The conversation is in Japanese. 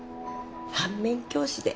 反面教師で。